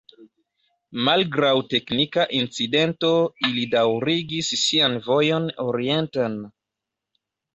Malgraŭ teknika incidento, ili daŭrigis sian vojon orienten.